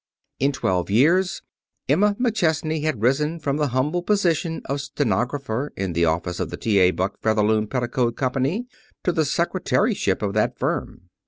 In twelve years Emma McChesney had risen from the humble position of stenographer in the office of the T.A. Buck Featherloom Petticoat Company to the secretaryship of the firm.